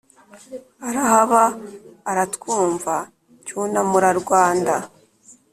arahaba aratwumva cyunamura-rwanda